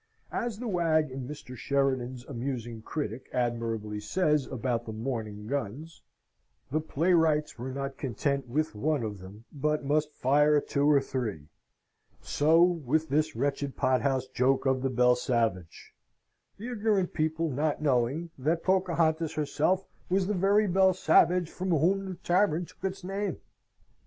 As the wag in Mr. Sheridan's amusing Critic admirably says about the morning guns, the playwrights were not content with one of them, but must fire two or three; so with this wretched pothouse joke of the Belle Savage (the ignorant people not knowing that Pocahontas herself was the very Belle Sauvage from whom the tavern took its name!).